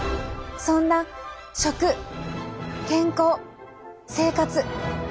そんな食健康生活。